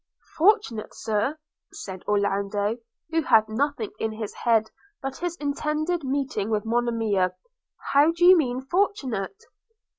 'Fortunate, Sir!' said Orlando, who had nothing in his head but his intended meeting with Monimia – 'How do you mean fortunate?'